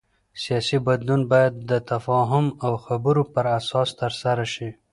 سیاسي بدلون باید د تفاهم او خبرو پر اساس ترسره شي